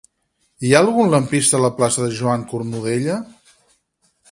Hi ha algun lampista a la plaça de Joan Cornudella?